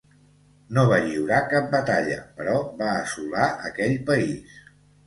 No va lliurar cap batalla però va assolar aquell país.